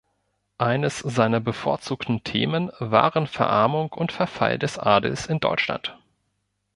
Eines seiner bevorzugten Themen waren Verarmung und Verfall des Adels in Deutschland.